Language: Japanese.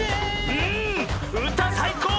うんうたさいこう！